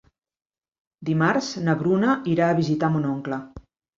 Dimarts na Bruna irà a visitar mon oncle.